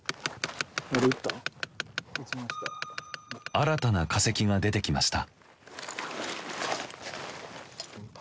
新たな化石が出てきました。